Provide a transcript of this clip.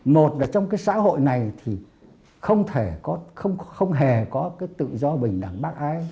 một là trong cái xã hội này thì không thể không hề có cái tự do bình đẳng bác ái